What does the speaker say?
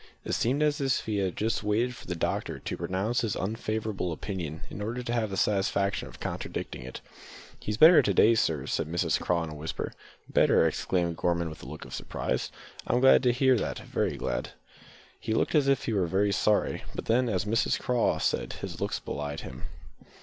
It seemed as if he had just waited for the doctor to pronounce his unfavourable opinion in order to have the satisfaction of contradicting it. "He's better to day, sir," said Mrs Craw, in a whisper. "Better!" exclaimed Gorman with a look of surprise, "I'm glad to hear that very glad." He looked as if he were very sorry, but then, as Mrs Craw said, his looks belied him.